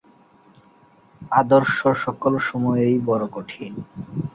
আদর্শ সকল সময়েই বড় কঠিন।